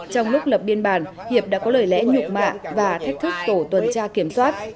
trong lúc lập biên bản hiệp đã có lời lẽ nhục mạ và thách thức tổ tuần tra kiểm soát